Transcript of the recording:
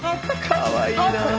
かわいいな。